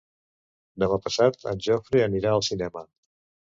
Demà passat en Jofre anirà al cinema.